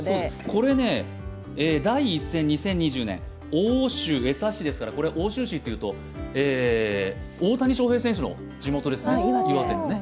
これ、第１戦、２０２２年奥州市ですから、奥州市というと大谷翔平選手の地元ですね、岩手の。